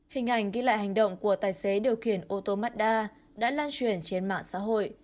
hình ảnh ghi lại hành động của tài xế điều khiển ô tô mazda đã lan truyền trên mạng xã hội